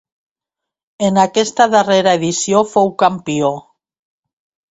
En aquesta darrera edició fou campió.